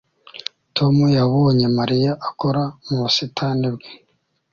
Tom yabonye Mariya akora mu busitani bwe